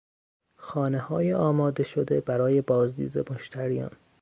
خانههای آماده شده برای بازدید مشتریان